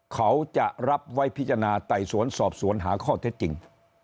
เขาจะรับไว้พิจารณาไต่สวนสอบสวนหาข้อเท็จจริง